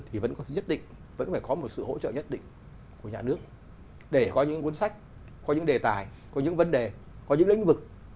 thì vẫn có một sự hỗ trợ nhất định của nhà nước để có những cuốn sách có những đề tài có những vấn đề có những lĩnh vực